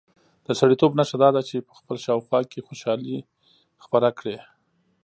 د سړیتوب نښه دا ده چې په خپل شاوخوا کې خوشالي خپره کړي.